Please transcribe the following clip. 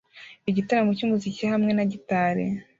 Igitaramo cy'umuziki hamwe na gitari